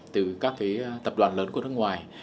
từ các cái tập đoàn lớn của nước ngoài